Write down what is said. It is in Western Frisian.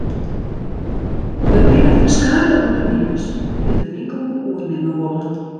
Der binne ferskate ûndernimmers dy't de winkel wol oernimme wolle.